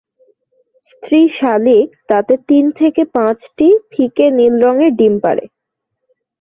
স্ত্রী শালিক তাতে তিন থেকে পাঁচটি ফিকে নীল রঙের ডিম পাড়ে।